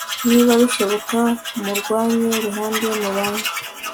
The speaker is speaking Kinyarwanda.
niba bishoboka mu rwanyu ruhande mubane